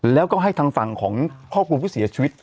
แล้วก็ให้ทางฝั่งของครอบครัวผู้เสียชีวิต